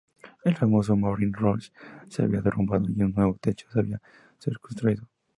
El famoso Marine Roof se había derrumbado, y un nuevo techo debía ser construido.